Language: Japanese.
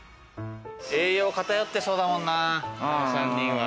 栄養偏ってそうだもんな、あの３人は。